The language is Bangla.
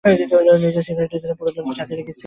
নিজের সিকিউরিটির জন্য পুরো দলকে সাথে রেখেছে।